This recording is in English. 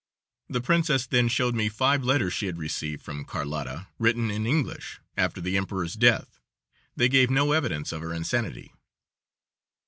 The princess then showed me five letters she had received from Carlotta, written in English, after the emperor's death; they gave no evidence of her insanity.